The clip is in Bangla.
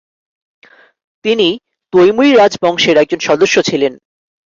তিনি তৈমুরী রাজবংশের একজন সদস্য ছিলেন।